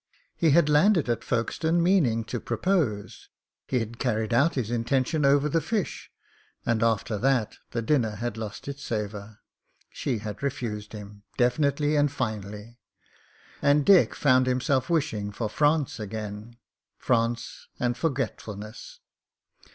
He had landed at Folkestone meaning to propose; he had carried out his intention over the fish — ^and after that the dinner had lost its savour. She had refused him — definitely and finally; and Dick found himself wishing for France again — France and forgetfulness.